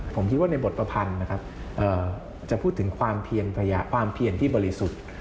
ผมคิดว่าในบทประพันธ์นะครับจะพูดถึงความเพียรที่บริสุทธิ์